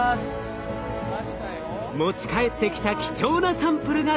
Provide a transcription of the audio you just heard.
持ち帰ってきた貴重なサンプルがこちら！